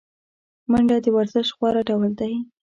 منډه د ورزش غوره ډول دی